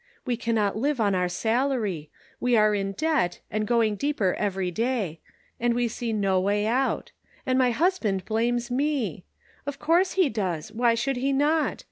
We cannot live on our salary ; we are in debt, and going deeper every day ; and we see no way out ; and my husband blames me ; of course he does ; why should he not